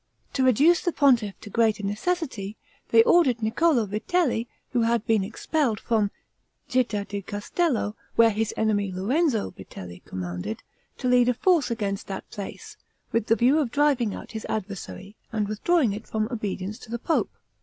To reduce the pontiff to greater necessity, they ordered Niccolo Vitelli, who had been expelled from Citta di Castello, where his enemy Lorenzo Vitelli commanded, to lead a force against that place, with the view of driving out his adversary and withdrawing it from obedience to the pope.